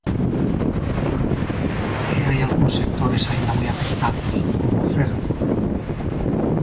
E hai algúns sectores aínda moi afectados, como o cerco.